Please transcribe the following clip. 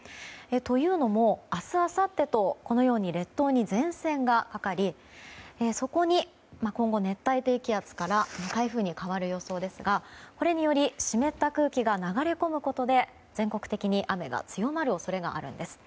というのも明日、あさってと列島に前線がかかりそこに、今後熱帯低気圧から台風に変わる予想ですがこれにより湿った空気が流れ込むことで全国的に雨が強まる恐れがあるんです。